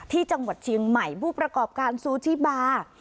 ที่จังหวัดเชียงใหม่ผู้ประกอบการซูชิบา